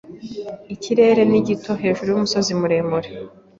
Ikirere ni gito hejuru yumusozi muremure.